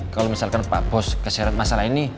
kalau misalkan pak bos keseret masalah ini